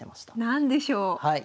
何でしょう？